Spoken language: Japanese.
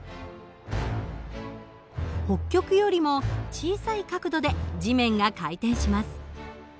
北極よりも小さい角度で地面が回転します。